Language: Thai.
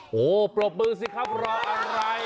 โหปรบมือสิครับรออะไร